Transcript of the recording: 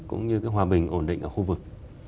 cũng như hòa bình ổn định ở khu vực